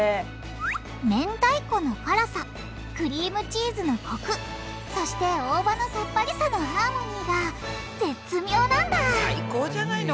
めんたいこの辛さクリームチーズのコクそして大葉のさっぱりさのハーモニーが絶妙なんだ最高じゃないの！